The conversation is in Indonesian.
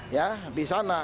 ya di sana